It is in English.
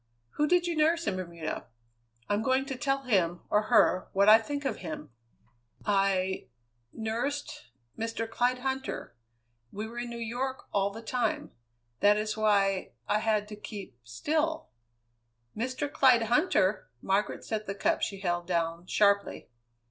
Who did you nurse in Bermuda? I'm going to tell him, or her, what I think of him!" "I nursed Mr. Clyde Huntter. We were in New York all the time. That is why I had to keep still " "Mr. Clyde Huntter?" Margaret set the cup she held, down sharply.